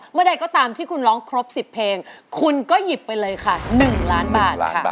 เมื่อใดก็ตามที่คุณร้องครบ๑๐เพลงคุณก็หยิบไปเลยค่ะ๑ล้านบาทค่ะ